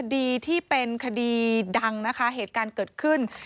คดีที่เป็นคดีดังนะคะเหตุการณ์เกิดขึ้น